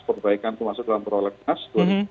perbaikan itu masuk dalam prolegnas